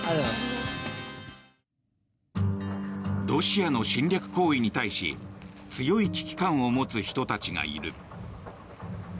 ロシアの侵略行為に対し強い危機感を持つ人たちがいる。